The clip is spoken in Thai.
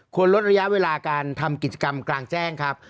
ลดระยะเวลาการทำกิจกรรมกลางแจ้งครับ